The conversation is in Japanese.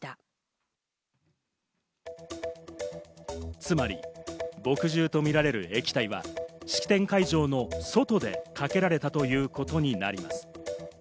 つまり、墨汁とみられる液体は式典会場の外でかけられたということになります。